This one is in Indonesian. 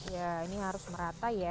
ya ini harus merata ya